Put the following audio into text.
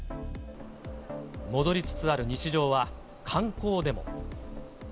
戻りつつある日常は観光でも。